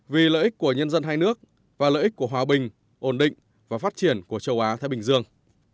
vì lợi ích của nhân dân hai nước và lợi ích của hòa bình ổn định và phát triển của châu á thái bình dương